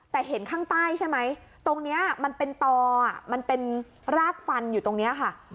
แต่เห็นข้างใต้ใช่ไหมตรงนี้มันเป็นตอมันเป็นรากฟันอยู่ตรงนี้ค่ะ